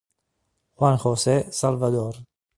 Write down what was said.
Juan José Salvador